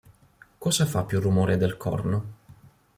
Cosa fa più rumore del corno?